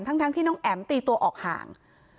ทั้งที่น้องแอ๋มตีตัวออกห่าง